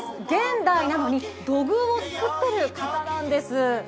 現代なのに土偶を作っている方なんです。